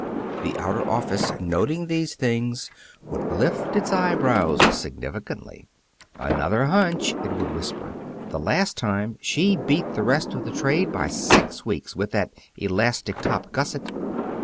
The outer office, noting these things, would lift its eyebrows significantly. "Another hunch!" it would whisper. "The last time she beat the rest of the trade by six weeks with that elastic top gusset."